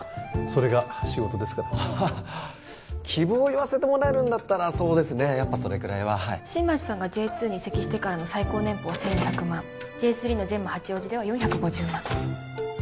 それが仕事ですから希望を言わせてもらえるんだったらそうですねやっぱそれくらいは新町さんがＪ２に移籍してからの最高年俸は１２００万Ｊ３のジェンマ八王子では４５０万